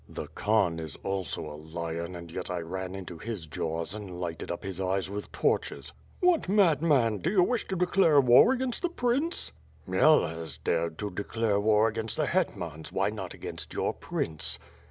.... "The Khan is also a lion, and yet I ran into his jaws and lighted up his eyes with torches." "What, madman? Do you wish to declare war against the prince?" "Khmyel has dared to declare war against the hetmans, why not against your prince?"